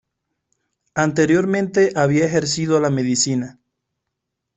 Anteriormente había ejercido la medicina.